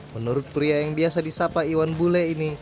menurut pria yang biasa disapa iwan bule ini